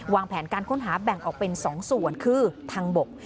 แผนการค้นหาแบ่งออกเป็น๒ส่วนคือทางบก